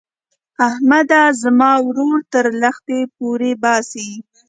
احمده؛ زما ورور تر لښتي پورې باسه.